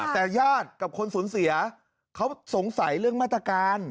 แต่ญาติกับคนสูญเสียเขาสงสัยเรื่องมาตรการ